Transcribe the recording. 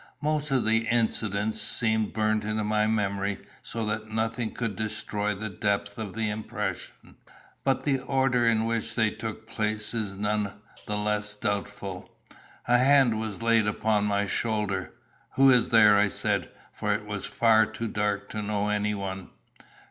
Most of the incidents seem burnt into my memory so that nothing could destroy the depth of the impression; but the order in which they took place is none the less doubtful. A hand was laid on my shoulder. "Who is there?" I said; for it was far too dark to know anyone.